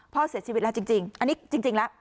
พ่อเสียชีวิตแล้วจริงอันนี้จริงแล้ว